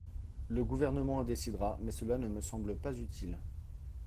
Le Gouvernement en décidera, mais cela ne me semble pas utile.